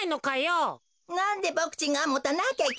なんでボクちんがもたなきゃいけないの？